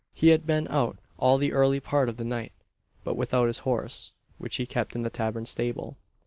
He had been out all the early part of the night, but without his horse which he kept in the tavern stable.